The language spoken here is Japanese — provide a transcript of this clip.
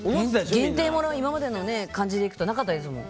限定もの、今までの感じでいくとなかったですもん。